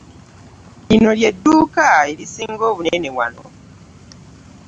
Lino ly'edduuka erisinga obunene wano.